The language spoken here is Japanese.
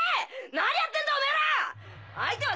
何やってんだオメーら！！